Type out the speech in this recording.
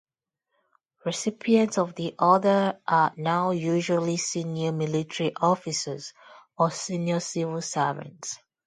Recipients of the Order are now usually senior military officers or senior civil servants.